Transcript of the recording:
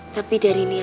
tapi dari niatnya